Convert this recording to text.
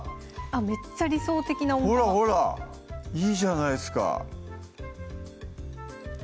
めっちゃ理想的な温玉いいじゃないですか